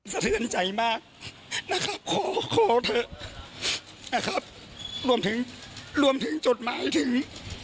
สะเทือนใจมากนะครับขอขอเถอะนะครับรวมถึงรวมถึงจดหมายถึง